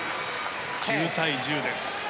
９対１０です。